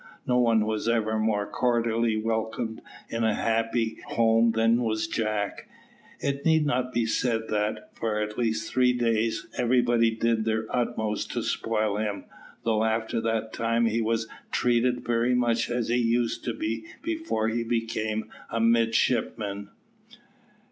No one was ever more cordially welcomed in a happy home than was Jack. It need not be said that, for at least three days, everybody did their very utmost to spoil him, though after that time he was treated very much as he used to be before he became a midshipman.